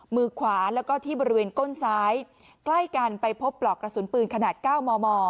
มือขวาแล้วก็ที่บริเวณก้นซ้ายใกล้กันไปพบปลอกกระสุนปืนขนาด๙มม